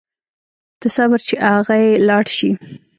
ته صبر چې اغئ لاړ شي.